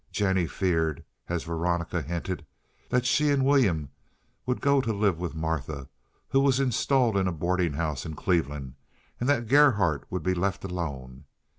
Jennie feared, as Veronica hinted, that she and William would go to live with Martha, who was installed in a boarding house in Cleveland, and that Gerhardt would be left alone.